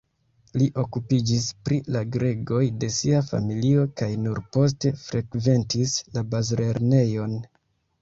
Li okupiĝis pri la gregoj de sia familio kaj nur poste frekventis la bazlernejon.